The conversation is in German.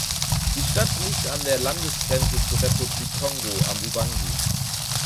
Die Stadt liegt an der Landesgrenze zur Republik Kongo am Ubangi.